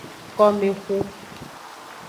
Komexu.